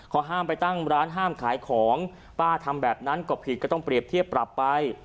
เขาห้ามไปตั้งร้านห้ามขายของป้าทำแบบนั้นก็ผิดก็ต้องเปรียบเทียบปรับไป